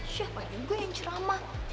siapa juga yang ceramah